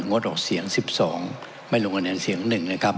งดออกเสียง๑๒ไม่ลงคะแนนเสียง๑นะครับ